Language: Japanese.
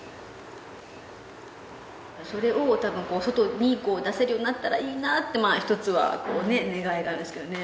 それを多分こう外にこう出せるようになったらいいなってひとつはこうね願いなんですけどね。